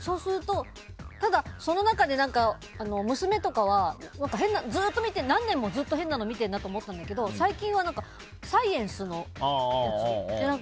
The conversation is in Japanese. ただ、その中で娘とかは何年もずっと変なの見てるなと思ったんだけど最近はサイエンスのやつ？